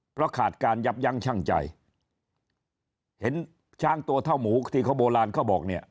เพราะขาดการยับยั้งชั่งใจเห็นช้างตัวเท่าหมูที่เขาโบราณเขาบอกเนี่ย